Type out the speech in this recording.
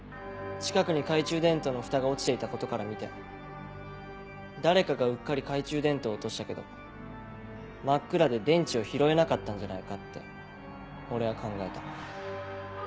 近くに懐中電灯のふたが落ちていたことからみて誰かがうっかり懐中電灯を落としたけど真っ暗で電池を拾えなかったんじゃないかって俺は考えた。